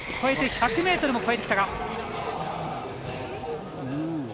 １００ｍも越えてきたか。